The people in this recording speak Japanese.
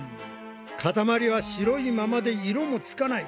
塊は白いままで色もつかない。